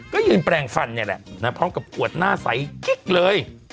ก็ยืนแปลงฟันเนี่ยแหละพร้อมกับอวดหน้าใสกิ๊กเลย